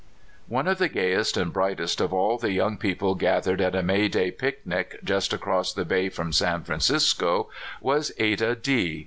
One of the gayest and brightest of all the young people gathered at a May day picnic, just across the bay from San Francisco, was Ada D